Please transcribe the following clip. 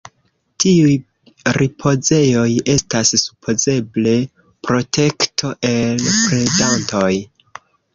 Tiuj ripozejoj estas supozeble protekto el predantoj.